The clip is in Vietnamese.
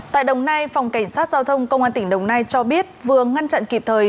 tại đồng nai phòng cảnh sát giao thông công an tỉnh đồng nai cho biết vừa ngăn chặn kịp thời